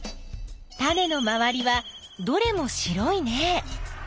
タネのまわりはどれも白いね。